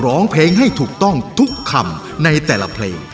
ร้องเพลงให้ถูกต้องทุกคำในแต่ละเพลง